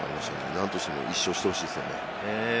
何としても１勝してほしいですよね。